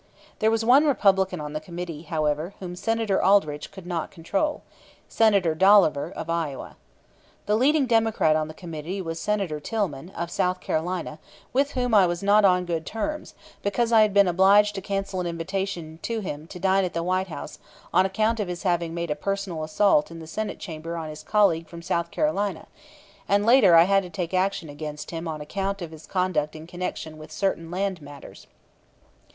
There was one Republican on the committee, however, whom Senator Aldrich could not control Senator Dolliver, of Iowa. The leading Democrat on the committee was Senator Tillman, of South Carolina, with whom I was not on good terms, because I had been obliged to cancel an invitation to him to dine at the White House on account of his having made a personal assault in the Senate Chamber on his colleague from South Carolina; and later I had to take action against him on account of his conduct in connection with certain land matters.